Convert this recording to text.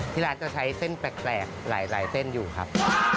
ที่ร้านจะใช้เส้นแปลกหลายเส้นอยู่ครับ